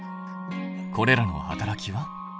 これらの働きは？